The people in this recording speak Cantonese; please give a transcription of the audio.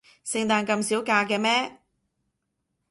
聖誕咁少假嘅咩？